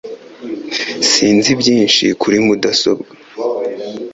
Sinzi byinshi kuri mudasobwa